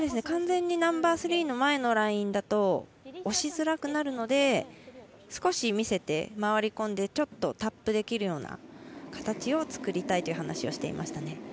完全にナンバースリーの前のラインだと押しづらくなるので少し見せて、回り込んでちょっとタップできるような形を作りたいという話でしたね。